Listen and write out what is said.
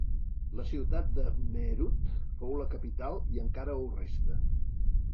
La ciutat de Meerut fou la capital i encara ho resta.